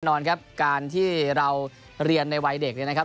นอนครับการที่เราเรียนในวัยเด็กเนี่ยนะครับ